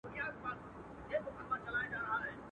دا د پنځو زرو کلونو کمالونو کیسې.